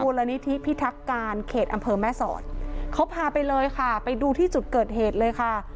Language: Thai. ละนิธิพิทักการเขตอำเภอแม่สอดเขาพาไปเลยค่ะไปดูที่จุดเกิดเหตุเลยค่ะ